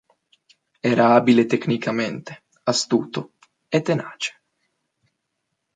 Era abile tecnicamente, astuto e tenace.